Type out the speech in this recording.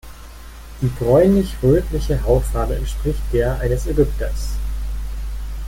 Die bräunlich-rötliche Hautfarbe entspricht der eines Ägypters.